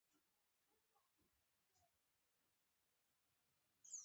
د سپټمبر پر اووه ویشتمه کاکا اسدالله خان ور ووست.